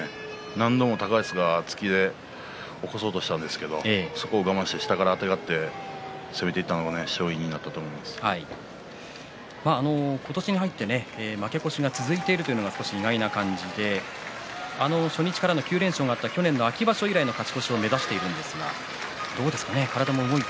何度も高安が突き起こそうとしたんですがそこを我慢して下からあてがって攻めていたのが今年に入って負け越しが続いているというのが少し意外な感じで初日からの９連勝があった去年の秋場所以来の勝ち越しを目指しているんですがどうですかね。